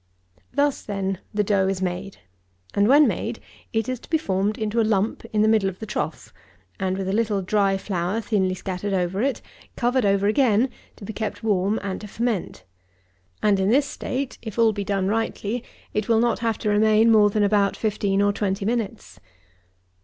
103. Thus, then, the dough is made. And, when made, it is to be formed into a lump in the middle of the trough, and, with a little dry flour thinly scattered over it, covered over again to be kept warm and to ferment; and in this state, if all be done rightly, it will not have to remain more than about 15 or 20 minutes.